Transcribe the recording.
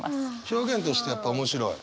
表現としてやっぱ面白い？